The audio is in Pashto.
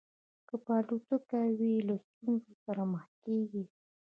که په الوتکه کې وي له ستونزو سره مخ کېږي.